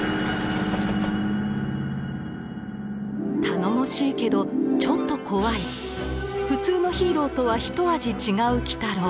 頼もしいけどちょっと怖い普通のヒーローとはひと味違う鬼太郎。